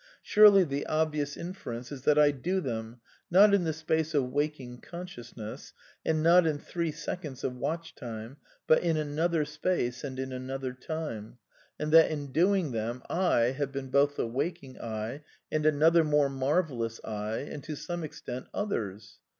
Surely the obvious inference is that I do them, not in the space of waking consciousness, . and not in three seconds of watch time, but in another spaco V>i and in another time ; and that in doing them " I " have been both the waking I and another more marvellous I, and to some extent others